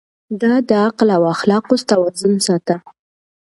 ده د عقل او اخلاقو توازن ساته.